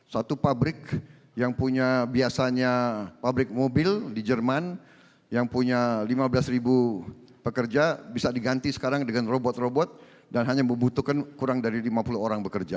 satu pabrik yang punya biasanya pabrik mobil di jerman yang punya lima belas ribu pekerja bisa diganti sekarang dengan robot robot dan hanya membutuhkan kurang dari lima puluh orang bekerja